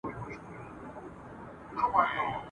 ځه راځه سره پخلا سو په زمان اعتبار نسته ,